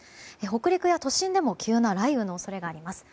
北陸や都心でも急な雷雨の恐れがあります。